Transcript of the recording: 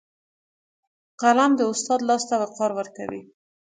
قلم د استاد لاس ته وقار ورکوي